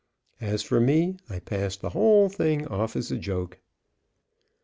As for me, I pass the whole thing off as a joke.